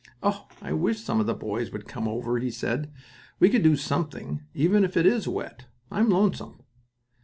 "Oh! I wish some of the boys would come over," he said. "We could do something, even if it is wet. I'm lonesome."